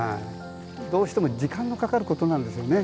どうしても時間のかかることなんですよね。